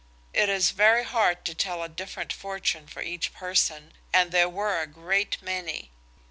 It is very hard to tell a different fortune for each person, and there were a great many.